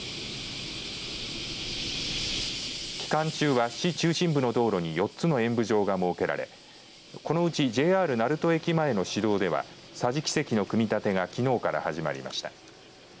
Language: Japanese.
期間中は市中心部の道路に４つの演舞場が設けられこのうちＪＲ鳴門駅前の市道では桟敷席の組み立てがきのうから始まりました。